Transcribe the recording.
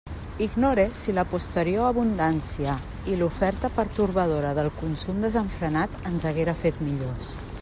Ignore si la posterior abundància i l'oferta pertorbadora del consum desenfrenat ens haguera fet millors.